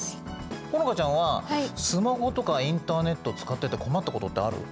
好花ちゃんはスマホとかインターネット使ってて困ったことってある？